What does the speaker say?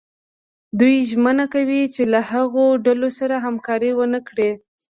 دوی ژمنه کوي چې له هغو ډلو سره همکاري ونه کړي.